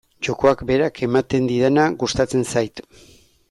Jokoak berak ematen didana gustatzen zait.